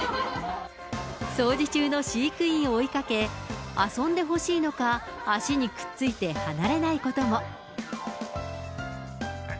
掃除中の飼育員を追いかけ、遊んでほしいのか、足にくっついて離れないことも。